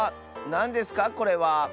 なんですかこれは？